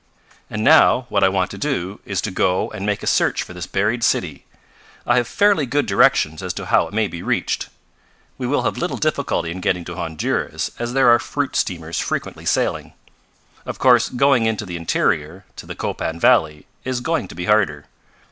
"And now, what I want to do, is to go and make a search for this buried city. I have fairly good directions as to how it may be reached. We will have little difficulty in getting to Honduras, as there are fruit steamers frequently sailing. Of course going into the interior to the Copan valley is going to be harder.